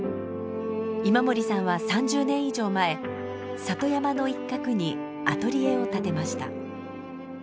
今森さんは３０年以上前里山の一角にアトリエを建てました。